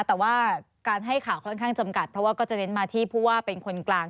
แต่ว่าการให้ข่าวค่อนข้างจำกัดเพราะว่าก็จะเน้นมาที่ผู้ว่าเป็นคนกลาง